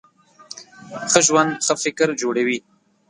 ښه ژوند ښه فکر جوړوي.